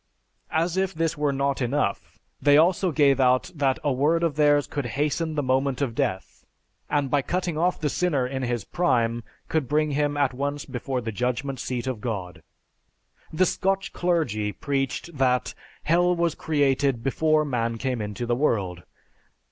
As if this were not enough, they also gave out that a word of theirs could hasten the moment of death, and by cutting off the sinner in his prime, could bring him at once before the Judgment Seat of God. "The Scotch clergy preached that, 'Hell was created before man came into the world.